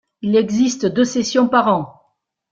Il existe deux sessions par an.